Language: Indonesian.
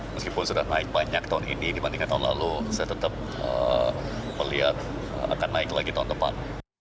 meskipun sudah naik banyak tahun ini dibandingkan tahun lalu saya tetap melihat akan naik lagi tahun depan